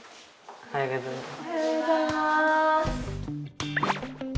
おはようございます。